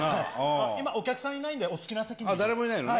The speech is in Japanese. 今、お客さんいないんで、お好き誰もいないのね。